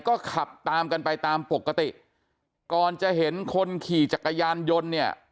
ก็ขับตามกันไปตามปกติก่อนจะเห็นคนขี่จักรยานยนต์เนี่ย